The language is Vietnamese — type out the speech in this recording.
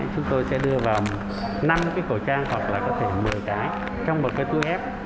tổng năm cái khẩu trang hoặc là có thể một mươi cái trong một cái túi ép